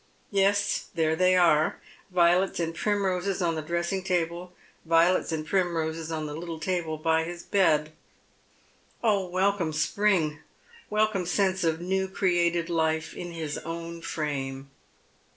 Yes, there they are, violets and primroses on the dressing table — violets and primroses on the little table by his bed. Oh, welcome spring — welcome sense of new created life in his own frame